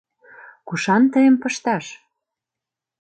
— Кушан тыйым пышташ?